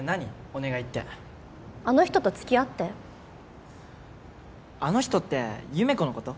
お願いってあの人と付き合ってあの人って優芽子のこと？